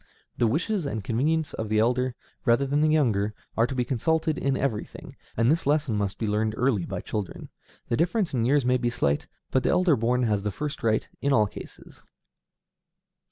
The wishes and convenience of the elder, rather than of the younger, are to be consulted in everything, and this lesson must be learned early by children. The difference in years may be slight, but the elder born has the first right in all cases.